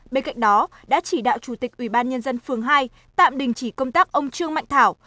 bên cạnh đó đã chỉ đạo chủ tịch ubnd phường hai tạm đình chỉ công tác ông trương mạnh thảo